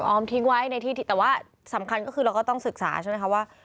อมทิ้งไว้ในที่แต่ว่าสำคัญก็คือเราก็ต้องศึกษาใช่ไหมคะว่า